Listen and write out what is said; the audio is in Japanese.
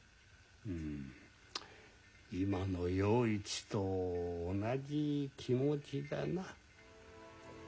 うん今の洋一と同じ気持ちだな。